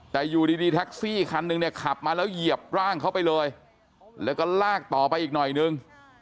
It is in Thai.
แต่อยู่ดีแท็กซี่คันหนึ่งเนี่ยขับมาแล้วเหยียบร่างเขาไปเลยแล้วก็ลากต่อไปอีกหน่อยนึง